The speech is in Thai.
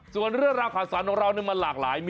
ส่วนเรื่องราวข่าวสารของเรามันหลากหลาย